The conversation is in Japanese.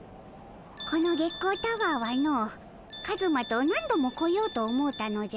この月光タワーはのカズマと何度も来ようと思うたのじゃ。